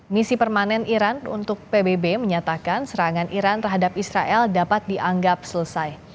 misi permanen iran untuk pbb menyatakan serangan iran terhadap israel dapat dianggap selesai